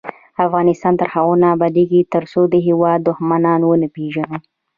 افغانستان تر هغو نه ابادیږي، ترڅو د هیواد دښمنان ونه پیژنو.